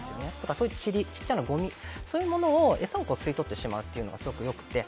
そういうちり、小さなごみそういうものを餌を吸い取ってしまうのがすごく良くて。